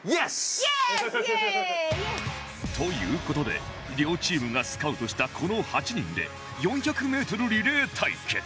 という事で両チームがスカウトしたこの８人で４００メートルリレー対決